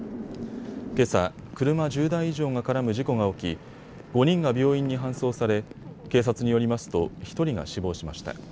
けさ、車１０台以上が絡む事故が起き５人が病院に搬送され警察によりますと１人が死亡しました。